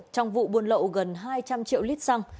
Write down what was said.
trong vụ buôn lậu gần hai trăm linh triệu lít xăng